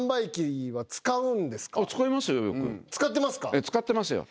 使ってますよ。